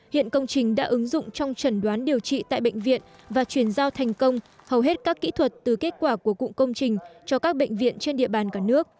hiện công trình đã ứng dụng trong trần đoán điều trị tại bệnh viện và chuyển giao thành công hầu hết các kỹ thuật từ kết quả của cụm công trình cho các bệnh viện trên địa bàn cả nước